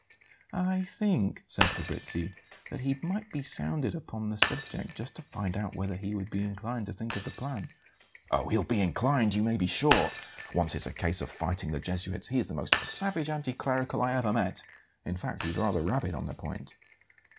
"I think," said Fabrizi, "that he might be sounded upon the subject, just to find out whether he would be inclined to think of the plan." "Oh, he'll be inclined, you may be sure, once it's a case of fighting the Jesuits; he is the most savage anti clerical I ever met; in fact, he's rather rabid on the point."